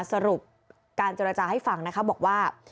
สรุปการเจรจาให้ฟังนะคะบอกว่า